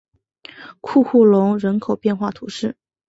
库库龙人口变化图示